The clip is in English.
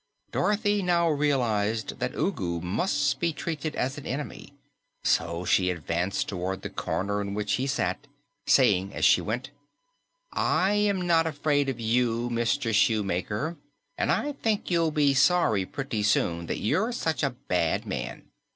Dorothy now realized that Ugu must be treated as an enemy, so she advanced toward the corner in which he sat, saying as she went, "I am not afraid of you, Mr. Shoemaker, and I think you'll be sorry, pretty soon, that you're such a bad man.